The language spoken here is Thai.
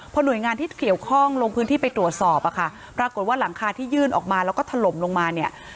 พอหน่วยงานที่เกี่ยวข้องลงพื้นที่ไปตรวจสอบอะค่ะปรากฏว่าหลังคาที่ยื่นออกมาแล้วก็ถล่มลงมาเนี่ย